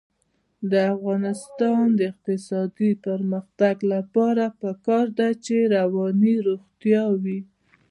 د افغانستان د اقتصادي پرمختګ لپاره پکار ده چې رواني روغتیا وي.